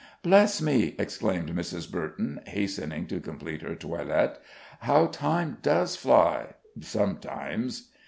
"Bless me!" exclaimed Mrs. Burton, hastening to complete her toilet. "How time does fly sometimes!"